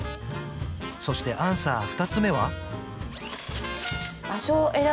そしてアンサー２つ目は？